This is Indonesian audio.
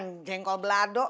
makan jengkol belado